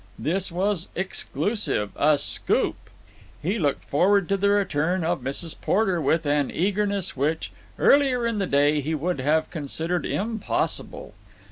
This was exclusive, a scoop. He looked forward to the return of Mrs. Porter with an eagerness which, earlier in the day, he would have considered impossible.